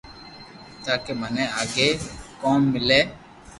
تاڪي مني آگي ڪوم ملي